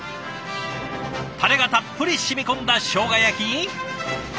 たれがたっぷり染み込んだしょうが焼きに。